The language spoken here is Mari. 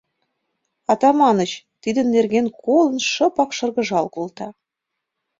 Атаманыч, тидын нерген колын, шыпак шыргыжал колта.